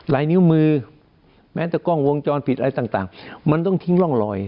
ลายนิ้วมือแม้แต่กล้องวงจรปิดอะไรต่างมันต้องทิ้งร่องรอย